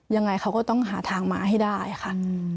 ยังไงเขาก็ต้องหาทางมาให้ได้ค่ะ